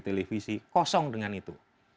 televisi kosong dengan itu